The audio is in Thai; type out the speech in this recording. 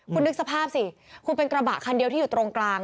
คุณนึกสภาพสิคุณเป็นกระบะคันเดียวที่อยู่ตรงกลาง